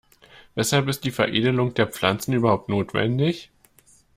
Weshalb ist die Veredelung der Pflanzen überhaupt notwendig?